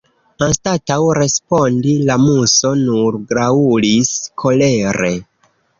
Anstataŭ respondi, la Muso nur graŭlis kolere.